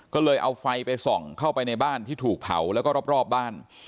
ก็เลยเอาไฟไปส่องเข้าไปในบ้านที่ถูกเผาแล้วก็รอบบ้าน